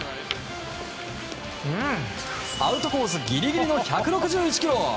アウトコースギリギリの１６１キロ！